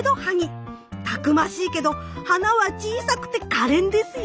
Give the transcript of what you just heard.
たくましいけど花は小さくてかれんですよ。